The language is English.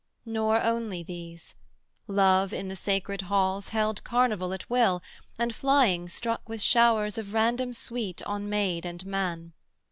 Nor only these: Love in the sacred halls Held carnival at will, and flying struck With showers of random sweet on maid and man.